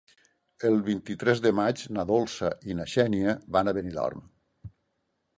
El vint-i-tres de maig na Dolça i na Xènia van a Benidorm.